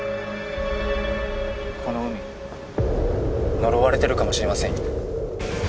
この海呪われてるかもしれませんよ。